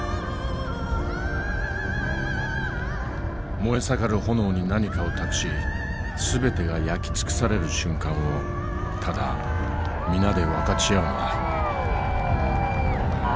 燃え盛る炎に何かを託し全てが焼き尽くされる瞬間をただ皆で分かち合うのだ。